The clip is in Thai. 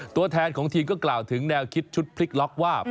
ตัวแทนของทีมก็กล่าวถึงแนวคิดชุดพลิกล็อกว่า